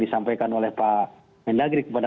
disampaikan oleh pak mendagri kepada